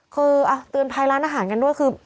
คือเตือนภัยร้านอาหารกันด้วยคือ